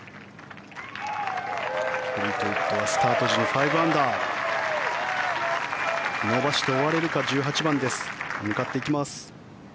フリートウッドはスタート時の５アンダー伸ばして終われるか１８番、向かっていきます。